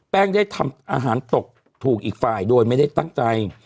ได้ทำอาหารตกถูกอีกฝ่ายโดยไม่ได้ตั้งใจ